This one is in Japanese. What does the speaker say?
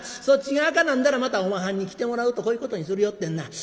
そっちがあかなんだらまたおまはんに来てもらうとこういうことにするよってにな。